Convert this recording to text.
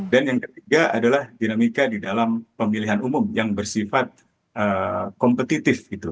dan yang ketiga adalah dinamika di dalam pemilihan umum yang bersifat kompetitif gitu